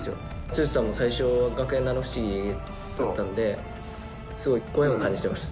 剛さんも最初は『学園七不思議』だったんですごいご縁を感じてます。